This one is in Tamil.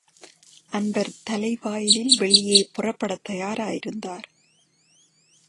அன்பர் தலை வாயிலில் வெளியே புறப்படத் தயாராயிருந்தார்.